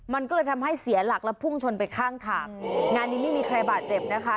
มันก็เลยทำให้เสียหลักและพุ่งชนไปข้างทางงานนี้ไม่มีใครบาดเจ็บนะคะ